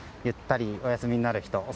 ゆったりお休みになる人